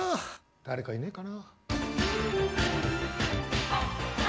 誰かいねえかな。